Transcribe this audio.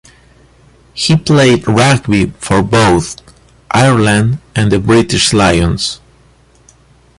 He played rugby for both Ireland and the British Lions.